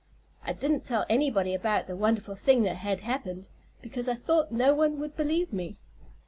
"I didn't tell anybody about the wonderful thing that had happened, 'cause I thought no one would believe me.